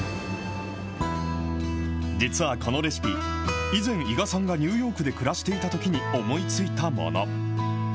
実はこのレシピ、以前、伊賀さんがニューヨークで暮らしていたときに思いついたもの。